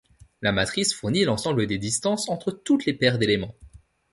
La matrice fournit l'ensemble des distances entre toutes les paires d'éléments.